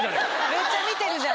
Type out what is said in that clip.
めっちゃ見てるじゃん。